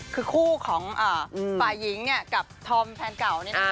คือคู่ของฝ่ายหญิงกับธอมแฟนเก่าเนี่ยนะคะ